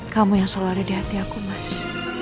kamu yang selalu ada di hati aku mas